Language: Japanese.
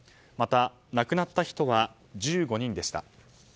また、亡くなった人は１５人でした。